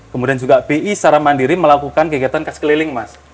kemudian juga bi secara mandiri melakukan kegiatan kas keliling mas